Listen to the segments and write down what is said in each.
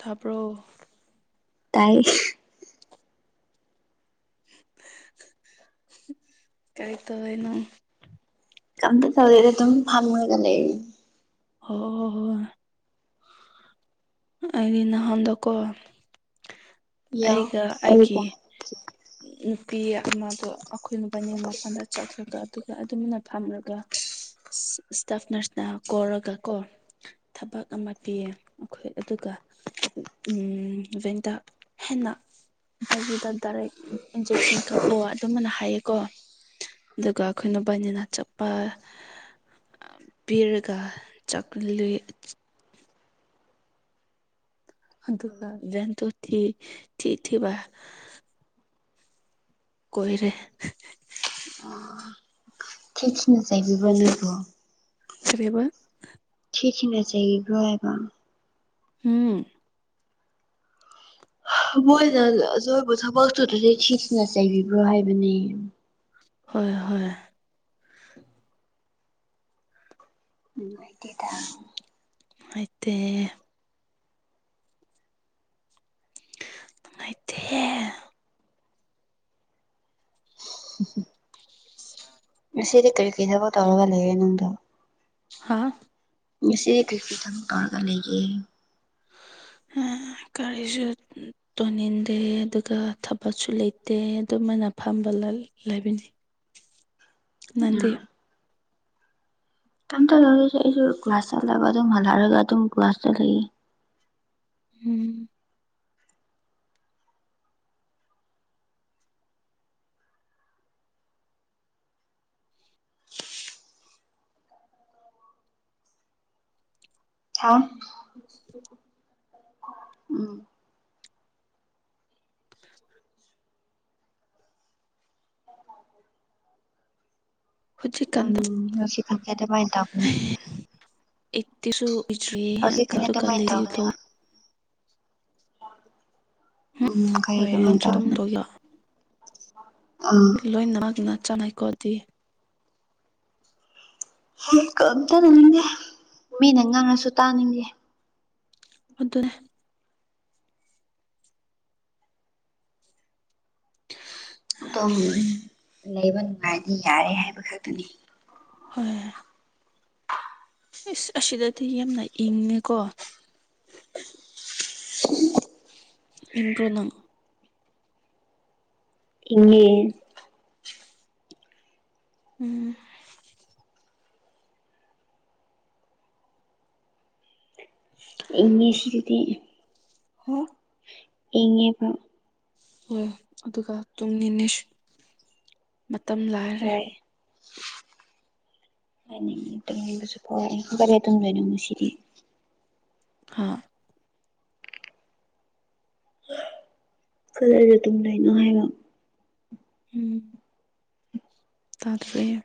ꯊꯥꯕ꯭ꯔꯣ ꯇꯥꯏ [unintelligible] ꯀꯩ ꯇꯅꯣ ꯐꯜ ꯃꯒꯂꯦ ꯑꯣ ꯍ ꯑꯩꯗꯤ ꯅꯍꯥꯟꯗꯀꯣ ꯌꯥꯎ ꯑꯩꯒ ꯑꯩꯕꯨ ꯑꯩꯒꯤ ꯅꯨꯄꯤ ꯑꯃꯗꯣ ꯑꯩꯈꯣꯏꯅꯕꯥꯅ ꯃꯄꯜꯗ ꯆꯠꯈ꯭ꯔꯒ ꯑꯗꯨꯒ ꯑꯗꯨꯝꯅ ꯐꯝꯂꯒ ꯏꯁꯇꯥꯞ ꯅꯔꯁꯅ ꯀꯧꯔꯒ ꯀꯣ ꯊꯕꯛ ꯑꯃ ꯄꯤꯌꯦ ꯑꯩꯈꯣꯏ ꯑꯗꯨꯒ ꯕꯦꯟꯗ ꯍꯦꯟꯅ ꯑꯥꯏꯕꯤꯗ ꯗꯥꯏꯔꯦꯛ ꯏꯟꯖꯦꯛꯁꯟ ꯀꯥꯞꯄꯣ ꯑꯗꯨꯃꯅ ꯍꯥꯏꯌꯦꯀꯣ ꯑꯗꯨꯒ ꯑꯩꯈꯣꯏꯅꯕꯥꯏꯅꯤꯅ ꯆꯠꯄ ꯄꯕꯤꯔꯒ ꯆ ꯑꯗꯨꯒ ꯇꯣ ꯊꯤ ꯊꯤ ꯊꯕ ꯀꯣꯏꯔ ꯊꯤ ꯊꯅꯁꯥꯏꯕꯤꯕ ꯂꯩ ꯀꯔꯦꯕ ꯁꯤꯈꯤꯅ ꯆ ꯏꯕ꯭ꯔꯣꯕ ꯎꯝ ꯃꯣꯏꯅ ꯍꯣꯏ ꯑꯖꯣꯏꯕꯨ ꯊꯕꯛꯇꯨꯗꯗꯤ ꯊꯁꯤꯅ ꯆꯩꯕꯤꯕ꯭ꯔꯣ ꯍꯥꯏꯕꯅꯦ ꯍꯣꯏ ꯍꯣꯏ ꯎ ꯀꯦꯇ ꯍꯥꯏꯗꯤ ꯅꯨꯡꯉꯗꯦ ꯎ ꯁꯤꯗꯤ ꯀꯔꯤ ꯀꯩꯗꯕꯨ ꯇꯧꯔꯒ ꯂꯩꯌꯦꯦ ꯅꯪꯗꯣ ꯍꯥ ꯁ ꯀ ꯊ ꯇꯧꯔꯒ ꯂꯩ ꯍꯝ ꯀꯔꯤꯁꯨ ꯇꯣꯟꯅꯤꯡꯟꯗꯦ ꯑꯗꯨꯒ ꯊꯕꯛꯁꯨ ꯂꯩꯇꯦ ꯑꯗꯨꯃꯥꯏꯅ ꯐ ꯇꯝꯕ ꯂꯩꯕꯤꯅꯤ ꯑ ꯇꯝ ꯇ ꯂꯁꯨ ꯭ꯂꯥꯁꯇꯒ ꯑꯗꯨ ꯍꯜꯂꯔꯒ ꯇ ꯒꯥꯁꯗ ꯂꯩꯒ ꯎꯝ ꯍꯥ ꯎꯝ ꯎꯝ ꯍꯧꯖꯤꯛꯀꯥꯟꯗ ꯔꯁꯤ ꯈꯥꯟ ꯀꯦꯇ ꯃꯥꯏ ꯇꯕꯅꯦ ꯏꯠꯇꯁꯨ ꯏꯦ ꯀꯥꯔꯣ ꯑꯗꯨꯃꯥꯏꯅ ꯀꯂꯔꯤ ꯇꯧꯕꯅꯦꯕ ꯎꯝ ꯍꯣꯏ ꯀꯩꯒ ꯅꯪꯁꯨ ꯑꯗꯨꯝ ꯃꯦꯟꯇꯔꯅꯤ ꯇꯧꯒꯦꯔꯣ ꯂꯣꯏꯅꯃꯛꯅ ꯆꯉꯥꯏꯀꯣꯗꯤ ꯀꯝꯇꯅꯅꯤꯡꯗꯦ ꯃꯤꯅ ꯉꯥꯡꯉꯁꯨ ꯇꯥꯅꯤꯡꯗꯦ ꯑꯗꯨꯅꯦ ꯑꯇꯣꯝ ꯂꯩꯕ ꯅꯨꯡꯉꯥꯏꯗꯤ ꯌꯥꯔꯦ ꯍꯥꯏꯕ ꯈꯛꯇꯅꯤ ꯍꯣꯏ ꯏꯁꯁ ꯑꯁꯤꯗꯗꯤ ꯌꯥꯝꯅ ꯏꯪꯉꯦꯀꯣ ꯏꯝꯕ꯭ꯔꯣꯅꯝ ꯏꯉꯦ ꯎꯝ ꯏꯪꯂꯤꯁ ꯁꯤꯗꯤ ꯍ ꯏꯉꯦ ꯄ ꯑꯣꯏ ꯑꯗꯨꯒ ꯇꯨꯡ ꯅꯤꯁ ꯃꯇꯝ ꯂꯥꯏꯔꯦ [unintelligible] ꯍꯥꯏꯅꯤ ꯇꯝꯅꯤꯡꯕꯁꯨ ꯐꯥꯎꯦ ꯒꯥꯔꯤ ꯑꯗꯨꯝꯗꯣꯏꯅꯣ ꯃꯨꯁꯤꯗꯤ ꯍꯥꯥ ꯀꯂꯁꯨ ꯑꯗꯨꯝ ꯂꯩꯅꯣ ꯍꯥꯏꯕ ꯎꯝ ꯇꯥꯗꯔꯦꯦ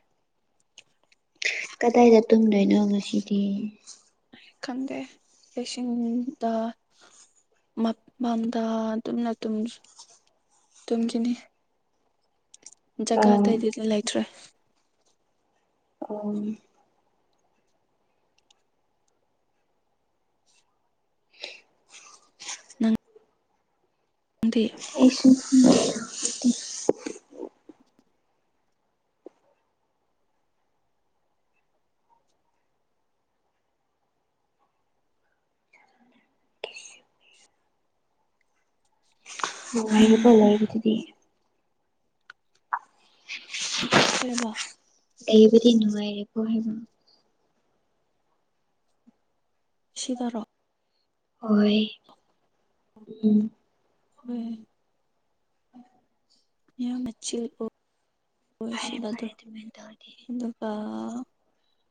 ꯀꯗꯥꯏꯗ ꯇꯨꯝꯗꯣꯏꯅꯣ ꯉꯁꯤꯗꯤ ꯈꯪꯗꯦ ꯄꯦꯁꯤꯡꯗ ꯃꯝꯗ ꯑꯗꯨꯝꯅ ꯇꯨꯝ ꯇꯨꯡꯒꯤꯅꯤ ꯑꯥ ꯖꯒꯥ ꯑꯣ ꯑꯇꯩꯗꯤꯗꯤ ꯂꯩꯇ꯭ꯔꯦ ꯑ ꯎ ꯑ [unintelligible] ꯅꯨꯡꯉꯥꯏꯔꯤꯕꯣ ꯂꯩꯕꯗꯨꯗꯤ ꯀꯔꯤꯕ ꯑꯩꯕꯨꯗꯤ ꯅꯉꯥꯏꯔꯦ ꯄ ꯍꯥꯏꯕ ꯁꯤꯗꯔꯣ ꯍꯣꯏ ꯎꯝ ꯍꯝ ꯌꯥꯝ ꯃꯆꯤꯜ ꯑꯣꯏ ꯑꯣꯏ ꯐꯔꯦ ꯐꯔꯦ ꯁꯤꯗꯗꯣ ꯑꯗꯨꯃꯥꯏꯅ ꯇꯧꯔꯗꯤ ꯑꯗꯨꯒ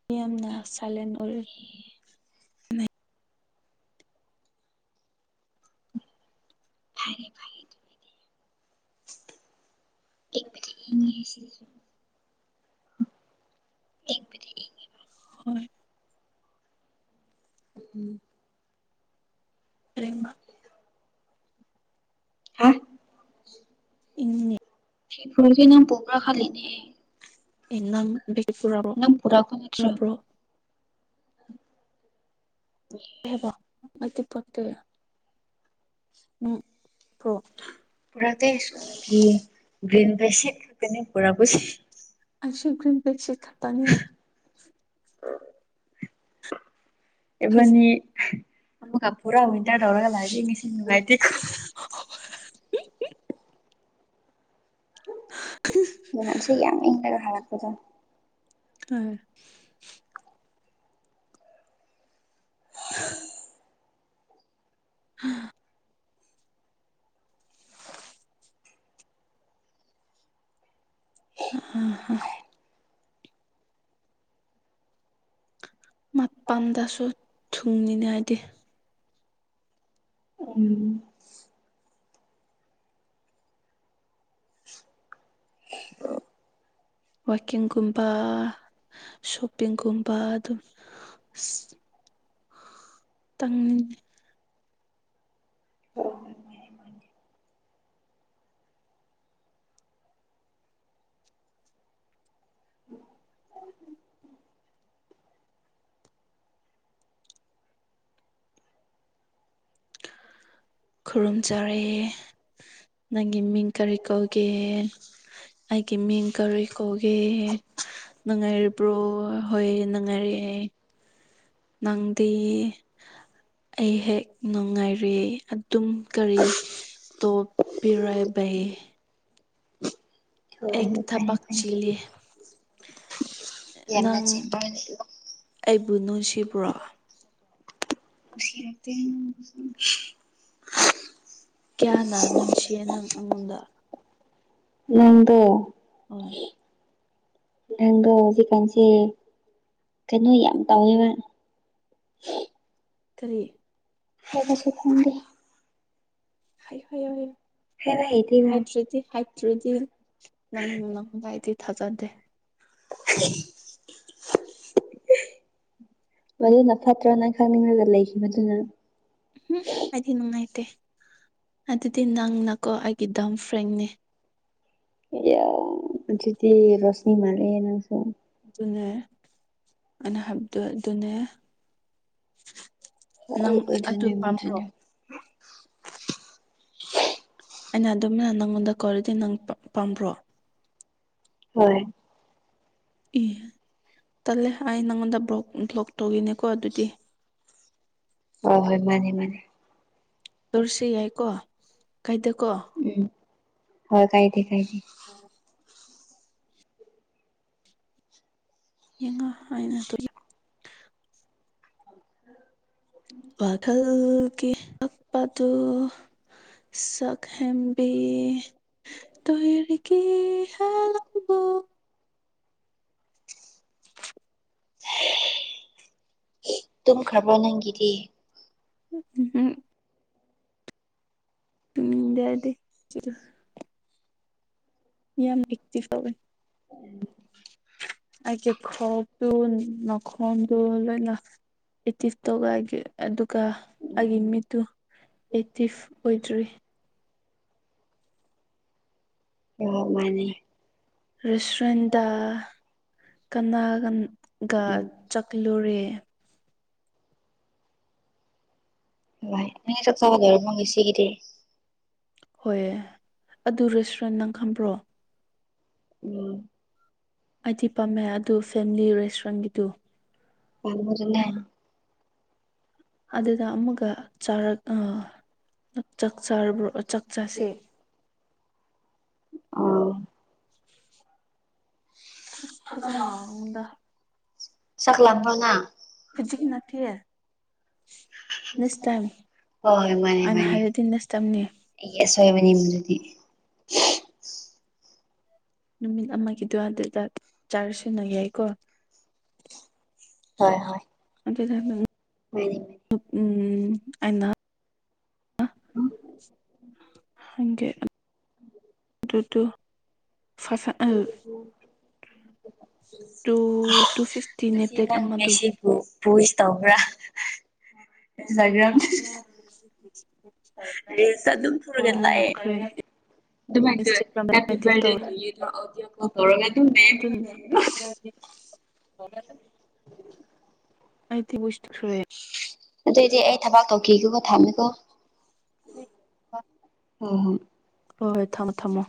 ꯃꯤꯌꯥꯝꯅ ꯆꯥꯏꯂꯦꯟ ꯑꯣꯏ ꯍꯥꯏꯔꯦ ꯐ [unintelligible] ꯍ ꯐ ꯍꯣꯏ ꯎꯝ ꯐꯔꯕ ꯍꯥ ꯏ ꯁꯤ ꯐꯨꯔ ꯀꯀꯤ ꯅꯝ ꯄꯣꯒ꯭ꯔꯥ ꯈꯂꯅꯦ ꯑꯦ ꯅꯡ ꯄꯨꯔꯛꯄ ꯅꯠꯇ꯭ꯔꯣ [unintelligible] ꯎ ꯃꯦ ꯄꯇꯕ ꯎꯝ ꯄ꯭ꯔꯣ ꯄꯔ ꯇ ꯁ ꯦꯟ ꯄꯁꯦꯄ ꯄꯔꯥꯕꯨꯁ ꯑꯩꯁꯨ ꯒ꯭ꯔꯤꯟ ꯕꯦꯒꯁꯤ ꯈꯛꯇꯅꯤ [unintelligible] ꯏꯕꯅꯤ ꯑꯃꯨꯛꯀ ꯄꯨꯔꯥ ꯋꯤꯟꯇꯔ ꯇꯧꯔꯒ ꯂꯥꯛꯑꯗꯤ ꯉꯁꯤ ꯅꯨꯡꯉꯥꯏꯇꯦꯀꯣ ꯁꯤ ꯌꯥꯝ ꯏꯂꯒ ꯍꯔꯛꯄꯗꯣ ꯑ [unintelligible] ꯍꯥ ꯑ ꯃꯄꯥꯟꯗꯁꯨ ꯊꯨꯡꯅꯤꯅꯦ ꯍꯥꯏꯗꯤ ꯎꯝ ꯋꯀꯤꯡꯒꯨꯝꯕ ꯁꯣꯞꯄꯤꯡꯒꯨꯝꯕ ꯑꯗꯨꯝ ꯇꯉꯅꯦ ꯈꯨꯔꯨꯝꯖꯔꯛꯑꯦ ꯅꯪꯒꯤ ꯃꯤꯡ ꯀꯔꯤ ꯀꯧꯒꯦ ꯑꯩꯒꯤ ꯃꯤꯡ ꯀꯔꯣꯏ ꯀꯧꯒꯦ ꯅꯨꯡꯉꯥꯏꯔꯤꯕ꯭ꯔꯣ ꯍꯣꯏ ꯅꯨꯡꯉꯥꯏꯔꯛꯑꯦ ꯅꯪꯗ ꯑꯩ ꯍꯦꯛ ꯅꯨꯡꯉꯥꯏꯔꯤ ꯑꯗꯨꯝ ꯀꯔꯤ ꯇꯣꯄꯤꯔ ꯚ ꯍ ꯍꯣꯏ ꯑꯦ ꯍꯣꯏ ꯐꯔꯦ ꯊꯕꯛ ꯐꯔꯦ ꯆꯂꯦ ꯌꯥꯝꯅ ꯅꯪ ꯆꯦꯟꯕ ꯑꯩꯕꯨ ꯅꯨꯡꯁꯤꯕ꯭ꯔꯣ [unintelligible] ꯀꯌꯥꯅ ꯅꯨꯡꯁꯤꯌꯦ ꯅꯪ ꯑꯩꯉꯣꯟꯗ ꯅꯪꯗꯣ ꯍꯣꯏ ꯍ ꯍꯧꯖꯤ ꯀꯁꯤ ꯁꯦ ꯀꯩꯅꯣ ꯌꯥꯝ ꯇꯧꯋꯦꯕ ꯀꯔꯤ ꯍꯗꯤꯁꯨ ꯊꯗꯤ ꯍꯥꯏ ꯍꯥꯏ ꯍꯥꯏ ꯍꯥꯏꯕ ꯍꯩꯇꯦꯕ ꯍꯥꯏꯗ꯭ꯔꯗꯤ ꯍꯥꯏꯇ꯭ꯔꯗꯤ ꯅꯪ ꯅꯪꯗꯥꯏꯗꯤ ꯊꯥꯖꯗꯦ [unintelligible] ꯎꯝꯍꯨꯝ ꯃꯗꯨꯅ ꯐꯠꯇ꯭ꯔꯣꯅꯪ ꯈꯪꯅꯤꯡꯉꯒ ꯂꯩꯈꯤꯕ ꯃꯗꯨꯅ ꯎꯝ ꯑꯗꯤ ꯅꯥꯏꯇꯦ ꯑꯗꯨꯗꯤ ꯅꯪꯅꯀꯣ ꯑꯩꯒꯤ ꯗꯝ ꯐ꯭ꯔꯦꯡꯅꯤ ꯑꯦꯖꯤꯗꯤ ꯔꯣꯁꯅꯤ ꯃꯥꯂꯅꯁꯨ ꯑꯗꯨꯅꯦ ꯑꯅꯍꯞꯗꯨꯅꯦ ꯍ ꯃꯖꯅꯤ ꯃꯅꯤ ꯑꯩꯅ ꯑꯗꯨꯝꯅ ꯅꯪꯉꯣꯟꯗ ꯀꯣꯂꯗꯤ ꯅꯪ ꯄꯥꯝꯕ꯭ꯔꯣ ꯍꯣꯏ ꯏ ꯇꯜꯂꯦ ꯑꯩ ꯅꯪꯉꯣꯟꯗꯣꯛ ꯕ꯭ꯂꯣꯛ ꯇꯧꯈꯤꯅꯦꯀꯣ ꯑꯗꯨꯗꯤ ꯍ ꯍꯣꯏ ꯃꯥꯅꯦ ꯃꯥꯅꯦ ꯇꯧꯔꯁꯤ ꯌꯥꯏꯀꯣ ꯀꯥꯏꯗꯀꯣ ꯍ ꯀꯥꯏꯗꯤ ꯀꯥꯏꯗꯤ ꯌꯦꯡꯉ ꯑꯏꯅ ꯇꯂ ꯋꯥꯈꯜꯒꯤ ꯇꯛꯄꯗꯨ ꯁꯛ ꯍꯦꯝꯕꯤ ꯇ ꯍ ꯀ ꯍꯥ ꯂꯕ [unintelligible] ꯇꯨꯝꯈ꯭ꯔꯕ꯭ꯔꯣ ꯅꯪꯒꯤꯗꯤ ꯎꯝ ꯎꯝ ꯌꯥꯗꯦ ꯏ ꯌꯥꯝ ꯤ ꯄꯕ ꯎꯝ ꯑꯩꯦ ꯈꯗꯨ ꯅꯈꯣꯡꯗꯨ ꯂꯣꯏꯅ ꯏꯇꯤ ꯇꯣꯒꯑꯦ ꯑꯗꯨ ꯑꯗꯨ ꯀ ꯑꯩꯒꯤ ꯎꯝ ꯃꯤꯠꯇꯨ ꯑꯦꯛꯇꯤꯞ ꯑꯣꯏꯗ꯭ꯔꯤ ꯍꯣꯏ ꯃꯥꯅꯦ ꯔꯦꯁꯇꯨꯔꯦꯟꯗꯥ ꯀꯅꯥꯒꯒ ꯎꯝ ꯆꯥꯛꯂꯨꯔꯦ ꯚ ꯑ ꯆꯕ ꯔꯃ ꯨꯁ ꯀꯗ ꯍꯣꯏ ꯑꯗꯨ ꯔꯦꯁꯇꯨꯔꯦꯟ ꯅꯪ ꯈꯝꯕ꯭ꯔꯣ ꯎꯝ ꯑꯩꯗꯤ ꯄꯥꯝꯃꯦ ꯑꯗꯨ ꯐꯦꯃꯤꯂꯤ ꯔꯦꯁꯇꯨꯔꯦꯟꯒꯤꯗꯨ ꯄꯔꯃꯔꯅꯦꯦ ꯑꯗꯨꯗ ꯑꯃꯒ ꯆꯥꯔꯛ ꯑ ꯆꯥꯛ ꯆꯥꯔꯕ ꯆꯥꯛ ꯆꯁꯦ ꯑ ꯐꯖꯝꯅ ꯎꯗ ꯆꯥꯛ ꯂꯥꯝꯕ꯭ꯔꯣ ꯅꯪ ꯈꯨꯖꯤꯒꯤ ꯅꯠꯇ ꯁꯇꯕꯤ ꯍꯣꯏꯣꯏ ꯃꯥꯅꯤ ꯃꯥꯅꯤ ꯑꯩ ꯑꯁꯣꯏꯕꯅꯤ ꯃꯗꯨꯗꯤ ꯍ ꯅꯨꯃꯤꯠ ꯑꯃꯒꯤ ꯑꯗꯨꯋꯥꯏ ꯑꯗꯨꯗ ꯆꯥꯔ ꯁꯤꯟꯅ ꯌꯥꯏꯀꯣ ꯍꯣꯏ ꯍꯣꯏ ꯑꯗꯨ ꯑꯣꯏꯗꯤ ꯐ ꯎꯝ ꯑꯅꯥ ꯍꯦ ꯑꯗꯨ ꯑꯗꯨ ꯇ ꯐꯁ ꯑ ꯇꯨ ꯇꯨ ꯐꯤꯐꯇꯤ ꯅꯦꯠꯂꯦꯛ ꯑꯃꯗꯨ ꯄꯨꯕꯨꯁ ꯇꯧꯕ꯭ꯔꯥ ꯎꯝ ꯔꯦꯁ ꯑꯗꯨꯝ ꯐꯔꯒꯂꯑ ꯈ꯭ꯔꯦ ꯑꯗꯨ ꯏꯟꯁꯇꯥꯒ꯭ꯔꯥꯝꯗ ꯑꯩꯗꯤ ꯍꯔꯦ ꯇꯧꯋꯦ ꯑꯗꯨ ꯑꯇꯁ ꯁꯨꯔꯦ ꯑꯗꯨꯏꯗꯤ ꯑꯩ ꯊꯕꯛ ꯇꯧꯈꯤꯒꯦꯀꯣ ꯊꯝꯃꯦꯀꯣ ꯑ ꯍ ꯍꯣ ꯍꯣꯏ ꯍꯣꯏ ꯊꯝꯃꯣ ꯊꯝꯃꯣ